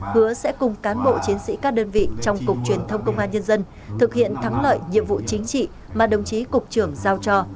hứa sẽ cùng cán bộ chiến sĩ các đơn vị trong cục truyền thông công an nhân dân thực hiện thắng lợi nhiệm vụ chính trị mà đồng chí cục trưởng giao cho